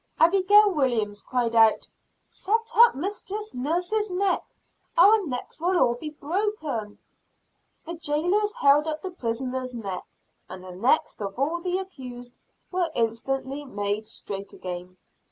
Abigail Williams cried out, "Set up Mistress Nurse's neck, our necks will all be broken." The jailers held up the prisoner's neck; and the necks of all the accused were instantly made straight again.